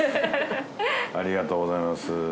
ありがとうございます。